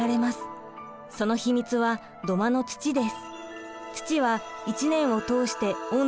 その秘密は土間の土です。